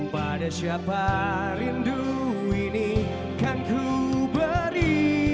pada siapa rindu ini kan kuberi